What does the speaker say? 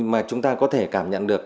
mà chúng ta có thể cảm nhận được